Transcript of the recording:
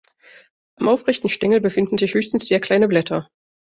Am aufrechten Stängel befinden sich höchstens sehr kleine Blätter.